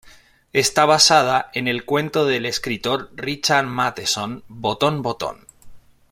Está basada en el cuento del escritor Richard Matheson "Botón Botón".